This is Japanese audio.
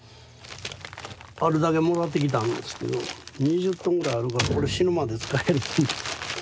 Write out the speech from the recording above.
あるだけもらってきたんですけど２０トンぐらいあるからこれ死ぬまで使える。